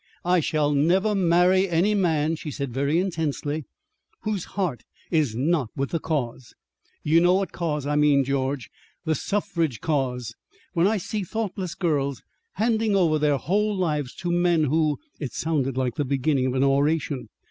"I shall never marry any man," she said very intensely, "whose heart is not with the Cause. You know what Cause I mean, George the Suffrage Cause. When I see thoughtless girls handing over their whole lives to men who..." It sounded like the beginning of an oration.